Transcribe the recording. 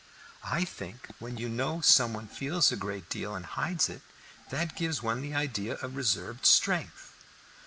"I think when you know some one feels a great deal and hides it, that gives one the idea of reserved strength."